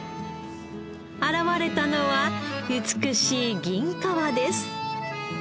現れたのは美しい銀皮です。